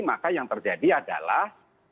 maka yang terjadi adalah